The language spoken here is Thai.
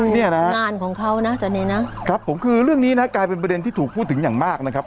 นี่คือเรื่องนี้กลายเป็นประเด็นที่ถูกพูดถึงอย่างมากนะครับ